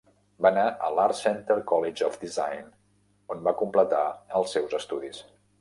Va anar a l'Art Center College of Design, on va completar els seus estudis.